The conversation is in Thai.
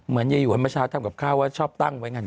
เหมือนเยี่ยมมาเช้าทำกับข้าวว่าชอบตั้งไว้งาน